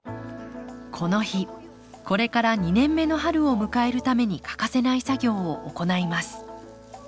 この日これから２年目の春を迎えるために欠かせない作業を行います。